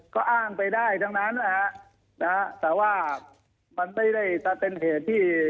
ก็อ้างไปได้ทั้งนั้นนะฮะแต่ว่ามันไม่ได้เป็นเหตุที่